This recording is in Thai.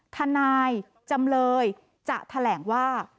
ทนายจำเลยจะแถลงว่า